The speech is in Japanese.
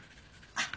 あっ。